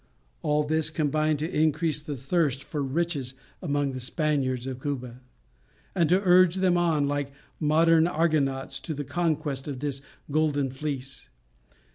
All this combined to increase the thirst for riches among the Spaniards of Cuba, and to urge them on like modern Argonauts to the conquest of this new golden fleece.